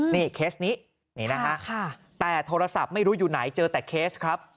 นี่เคสนี้นี่นะฮะแต่โทรศัพท์ไม่รู้อยู่ไหนเจอแต่เคสครับ